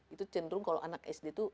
itu cenderung kalau anak sd itu